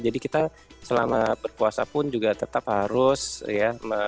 jadi kita selama berpuasa pun juga tetap harus ya